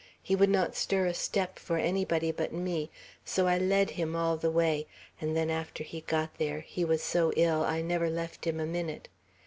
He would not stir a step for anybody but me; so I led him all the way; and then after he got there he was so ill I never left him a minute.